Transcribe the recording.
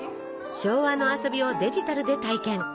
昭和の遊びをデジタルで体験！